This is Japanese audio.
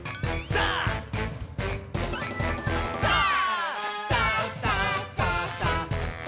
さあ！さあ！」